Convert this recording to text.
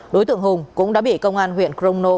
đối tượng hùng cũng đã bị công an huyện crono